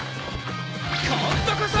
今度こそ！